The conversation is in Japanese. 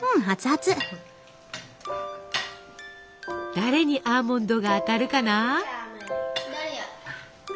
誰にアーモンドが当たるかな？